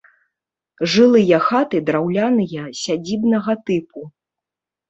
Жылыя хаты драўляныя сядзібнага тыпу.